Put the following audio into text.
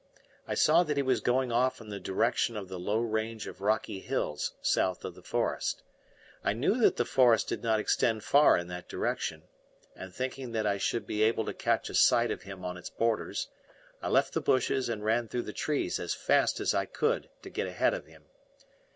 I saw that he was going off in the direction of the low range of rocky hills south of the forest. I knew that the forest did not extend far in that direction, and thinking that I should be able to catch a sight of him on its borders, I left the bushes and ran through the trees as fast as I could to get ahead of him.